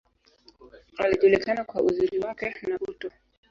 Alijulikana kwa uzuri wake, na utu.